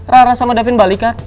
rara sama davin balikah